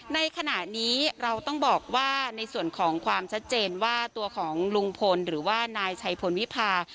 ในขณะนี้เราต้องบอกว่าในส่วนของความชัดเจนว่าตัวของลุงพลหรือว่านายชัยพลวิพา